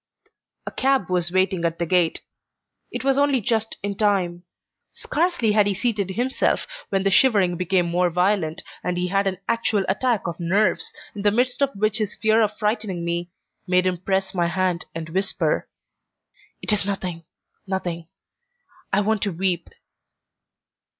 A cab was waiting at the gate. It was only just in time. Scarcely had he seated himself, when the shivering became more violent, and he had an actual attack of nerves, in the midst of which his fear of frightening me made him press my hand and whisper: "It is nothing, nothing. I want to weep."